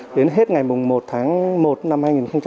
đến hết ngày một tháng một năm hai nghìn hai mươi